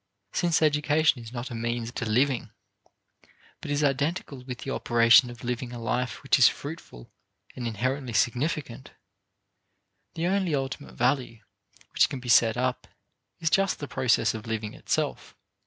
Since education is not a means to living, but is identical with the operation of living a life which is fruitful and inherently significant, the only ultimate value which can be set up is just the process of living itself.